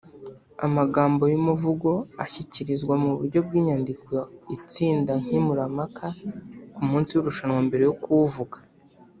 Amagambo y’umuvugo ashyikirizwa mu buryo bw’inyandiko itsindankemurampaka kumunsi w’irushanwa mbere yo kuwuvuga